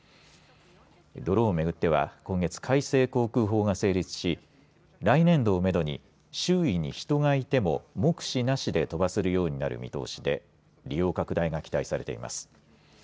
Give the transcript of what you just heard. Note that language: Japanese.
ドローンをめぐっては今月改正航空法が成立し来年度をめどに周囲に人がいても目視なしで飛ばせるようになる見通しで利用拡大が期待されています。